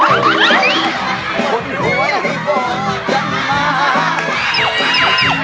คนหวยก็บอกกันมา